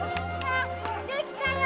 できたよ！